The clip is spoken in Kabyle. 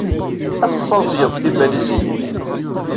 Ad tessaẓyed tibalizin-nnem.